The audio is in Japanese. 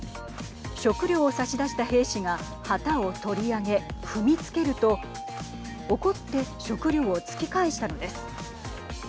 食料を差し出した兵士が旗を取り上げ、踏みつけると怒って食料を突き返したのです。